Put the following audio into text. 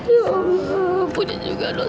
ya allah bunyi juga loh